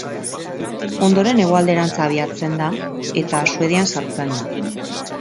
Ondoren hegoalderantz abiatzen da eta Suedian sartzen da.